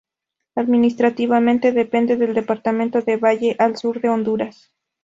Administrativamente depende del Departamento de Valle al sur de Honduras.